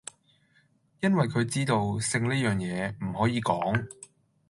因為佢知道，性呢樣野，唔可以講!